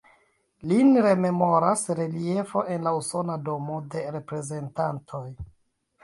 Lin rememoras reliefo en la Usona Domo de Reprezentantoj.